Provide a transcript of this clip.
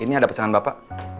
ini ada pesanan bapak